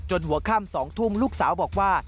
จนหัวข้าม๒ทุ่มลูกสาวบอกว่า